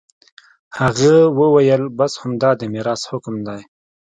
هغه وويل بس همدا د ميراث حکم دى.